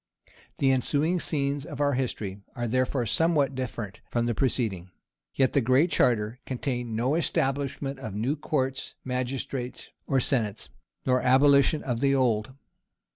The ensuing scenes of our history are therefore somewhat different from the preceding. Yet the Great Charter contained no establishment of new courts magistrates, or senates, nor abolition of the old.